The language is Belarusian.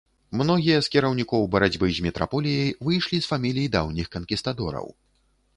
Многія з кіраўнікоў барацьбы з метраполіяй выйшлі з фамілій даўніх канкістадораў.